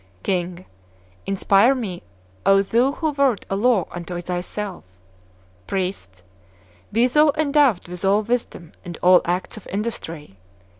King. Inspire me, O Thou who wert a Law unto thyself! P. Be thou endowed with all wisdom, and all acts of industry!